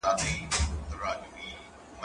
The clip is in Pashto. زه به لوبه کړې وي!؟